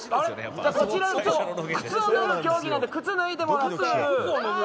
こちら靴を脱ぐ競技なので靴脱いでもらって。